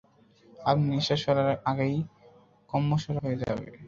আপনি নিঃশ্বাস ফেলার আগেই কম্মোসারা হয়ে যাবে!